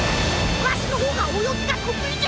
わしのほうがおよぎがとくいじゃ！